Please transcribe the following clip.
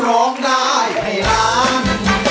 ก็ร้องได้ให้ร้าง